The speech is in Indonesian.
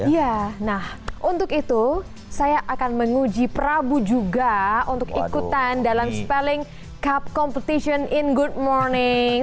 ya nah untuk itu saya akan menguji prabu juga untuk ikutan dalam spelling cup competition in good morning